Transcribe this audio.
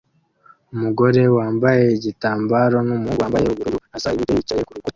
Umugore wambaye igitambaro numuhungu wambaye ubururu asa iburyo yicaye kurukuta